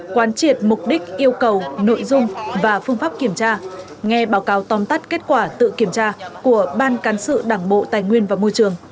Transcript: quán triệt mục đích yêu cầu nội dung và phương pháp kiểm tra nghe báo cáo tóm tắt kết quả tự kiểm tra của ban cán sự đảng bộ tài nguyên và môi trường